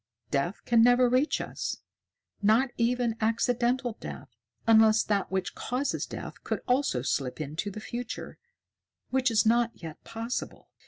Death can never reach us, not even accidental death, unless that which causes death could also slip into the future, which is not yet possible."